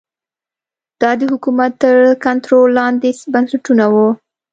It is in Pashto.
دا د حکومت تر کنټرول لاندې بنسټونه وو